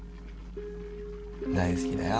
大好きだよ